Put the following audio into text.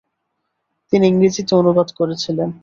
তিনি ইংরেজিতে অনুবাদ করেছিলেন।